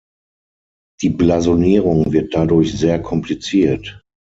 Die Blasonierung wird dadurch sehr kompliziert.